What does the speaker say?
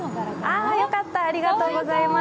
あ、良かったありがとうございます